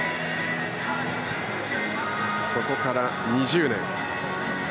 そこから２０年。